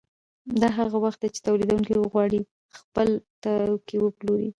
دا هغه وخت دی چې تولیدونکي وغواړي خپل توکي وپلوري